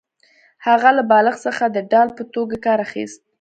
هغه له بالښت څخه د ډال په توګه کار اخیست